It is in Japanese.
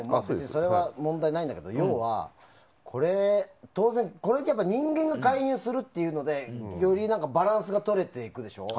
それは問題ないんだけど、要はこれは人間が介入するというのでよりバランスが取れていくでしょ？